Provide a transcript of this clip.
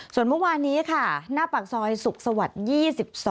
ส่วนเมื่อวานนี้ค่ะหน้าปากซอยสุขสวรรค์๒๒